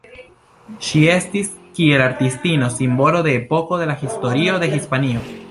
Ŝi estis, kiel artistino, simbolo de epoko de la historio de Hispanio.